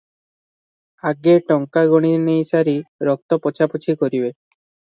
ଆଗେ ଟଙ୍କା ଗଣିନେଇ ସାରି ରକ୍ତ ପୋଛାପୋଛି କରିବେ ।